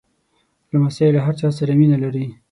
لمسی له هر چا سره مینه لري.